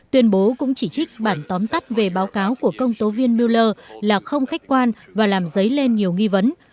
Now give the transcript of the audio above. tuyên bố cũng chỉ trích bản tóm tắt về báo cáo của công tố viên mueller là không khách quan và làm dấy lên nhiều nghi vấn